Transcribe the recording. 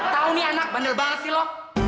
tau nih anak bandel banget sih lo